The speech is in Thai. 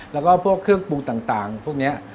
แล้วก็พวกเครื่องปรุงต่างพวกนี้